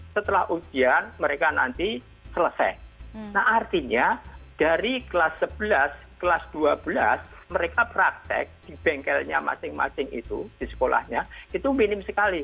setelah ujian mereka nanti selesai nah artinya dari kelas sebelas kelas dua belas mereka praktek di bengkelnya masing masing itu di sekolahnya itu minim sekali